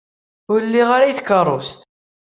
Ur liɣ ara takeṛṛust.